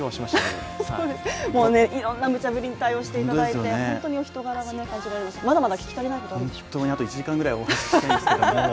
もういろんなむちゃぶりに対応していただいて本当にお人柄がうかがえますがまだまだ聞き足りないことあるでしょう？